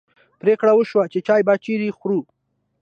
پرېکړه وشوه چې چای به چیرې خورو.